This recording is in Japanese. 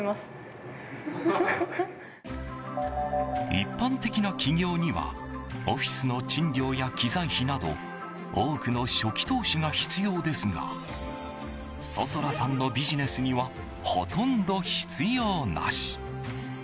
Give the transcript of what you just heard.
一般的な起業にはオフィスの賃料や機材費など多くの初期投資が必要ですが想空さんのビジネスにはほとんど必要なし。